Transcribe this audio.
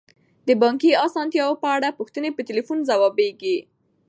د بانکي اسانتیاوو په اړه پوښتنې په تلیفون ځوابیږي.